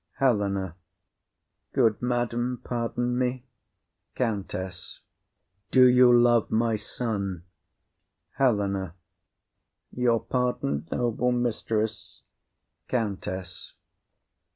HELENA. Good madam, pardon me. COUNTESS. Do you love my son? HELENA. Your pardon, noble mistress. COUNTESS.